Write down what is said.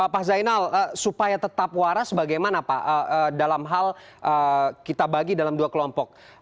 pak zainal supaya tetap waras bagaimana pak dalam hal kita bagi dalam dua kelompok